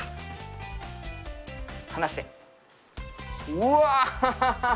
うわ！